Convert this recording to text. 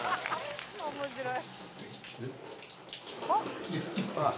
面白い。